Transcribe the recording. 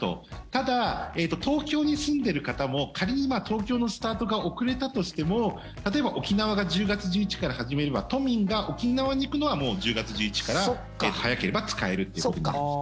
ただ、東京に住んでいる方も仮に東京のスタートが遅れたとしても例えば、沖縄が１０月１１日から始めれば都民が沖縄に行くのはもう１０月１１日から早ければ使えるということになります。